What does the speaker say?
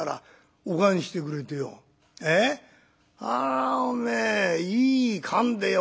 あおめえいい燗でよ